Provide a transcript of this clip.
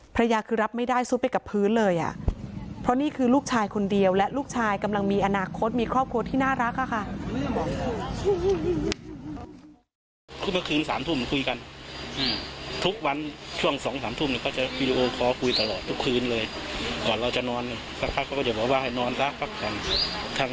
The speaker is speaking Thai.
ภรรยาคือรับไม่ได้ซุดไปกับพื้นเลยอ่ะเพราะนี่คือลูกชายคนเดียวและลูกชายกำลังมีอนาคตมีครอบครัวที่น่ารักอะค่ะ